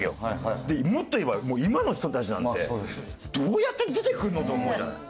もっと言えば今の人たちなんてどうやって出てくるの？と思うじゃない。